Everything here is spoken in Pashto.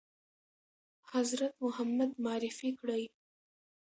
حضرت محمد معرفي کړی ؟